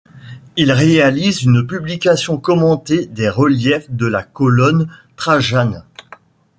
Il réalise une publication commentée des reliefs de la colonne Trajane.